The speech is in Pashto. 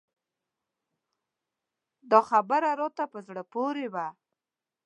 دا خبر راته په زړه پورې و.